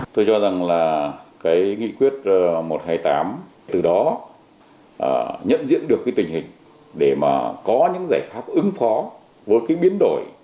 tôi cho rằng là cái nghị quyết một trăm hai mươi tám từ đó nhận diện được cái tình hình để mà có những giải pháp ứng phó với cái biến đổi